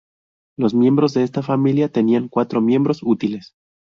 Los miembros de esta familia tenían cuatro miembros útiles.